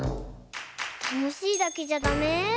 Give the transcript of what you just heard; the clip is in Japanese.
たのしいだけじゃダメ？